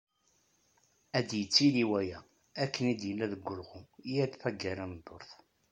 Ad d-yettili waya, akken i d-yedda deg wulɣu, yal taggara n ddurt.